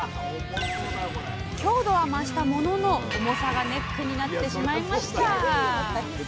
強度は増したものの重さがネックになってしまいました。